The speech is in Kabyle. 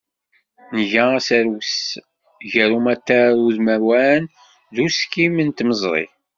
Nga aserwes gar umatar udmawan, d uskim n tmeẓri.